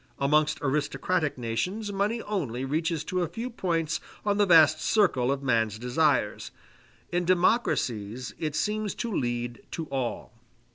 Amongst aristocratic nations money only reaches to a few points on the vast circle of man's desires in democracies it seems to lead to all.